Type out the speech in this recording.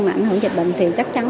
mà ảnh hưởng dịch bệnh thì chắc chắn